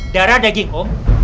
darah daging om